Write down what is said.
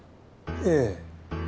ええ。